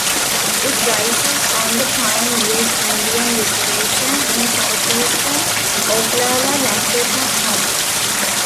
It rises on the Pine Ridge Indian Reservation in southeastern Oglala Lakota County.